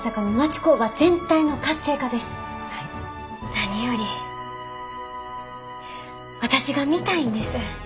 何より私が見たいんです。